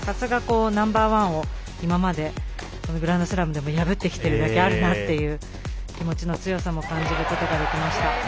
ナンバーワンを今までグランドスラムでも破ってきてるだけあるなという気持ちの強さも感じることができました。